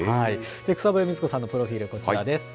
草笛光子さんのプロフィール、こちらです。